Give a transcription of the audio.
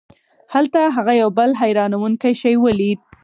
هلته هغه یو بل حیرانوونکی شی ولید.